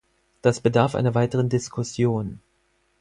Das bedarf einer weiteren Diskussion.